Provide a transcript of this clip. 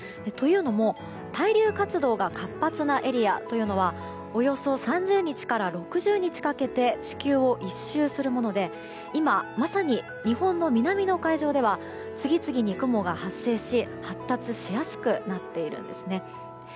というのも、対流活動が活発なエリアというのはおよそ３０日から６０日かけて地球を１周するもので今、まさに日本の南の海上では次々に雲が発生し、発達しやすくなっているんですね。